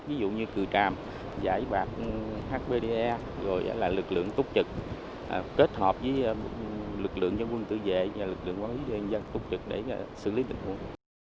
ví dụ như cửa tràm giải bạc hbde lực lượng túc trực kết hợp với lực lượng dân quân tự vệ và lực lượng quân quân dân túc trực để xử lý định quân